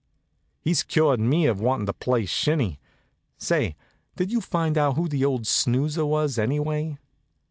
"He's cured me of wanting to play shinny. Say, did you find out who the old snoozer was, anyway?"